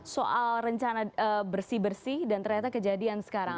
soal rencana bersih bersih dan ternyata kejadian sekarang